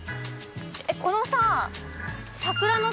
このさ。